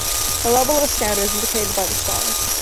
The level of a Scouter is indicated by the stars.